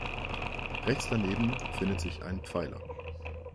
Rechts daneben findet sich ein Pfeiler.